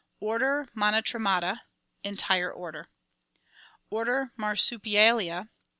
Order Monotremata. Entire order. Order Marsupialia.